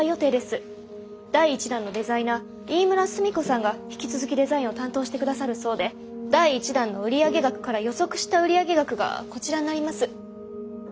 第一弾のデザイナーイイムラスミコさんが引き続きデザインを担当して下さるそうで第一弾の売上額から予測した売上額がこちらになります。